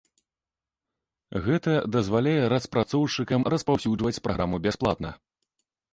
Гэта дазваляе распрацоўшчыкам распаўсюджваць праграму бясплатна.